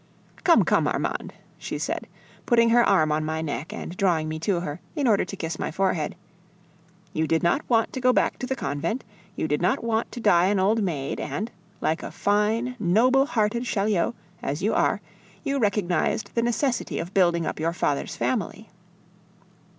"Come, come, Armande," she said, putting her arm on my neck and drawing me to her, in order to kiss my forehead, "you did not want to go back to the convent, you did not want to die an old maid, and, like a fine, noble hearted Chaulieu, as you are, you recognized the necessity of building up your father's family.